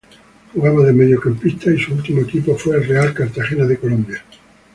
Jugaba de mediocampista y su último equipo fue el Real Cartagena de Colombia.